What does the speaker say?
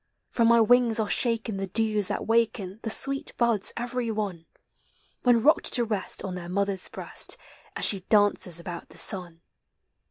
From my wings are shaken the dews that waken The sweet buds every one, When rocked to rest on their mothers breast, As she dances about the sun.